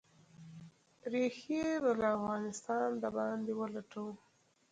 ریښې به «له افغانستانه د باندې ولټوو».